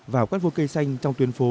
vào các vô cây xanh trong tuyến phố